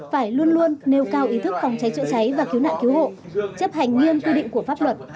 phải luôn luôn nêu cao ý thức phòng cháy chữa cháy và cứu nạn cứu hộ chấp hành nghiêm quy định của pháp luật